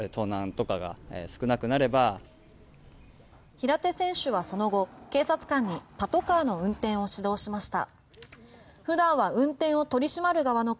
平手選手はその後、警察官にパトカーの運転を指導しました。